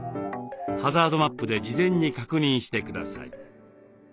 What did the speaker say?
ハザードマップで事前に確認して下さい。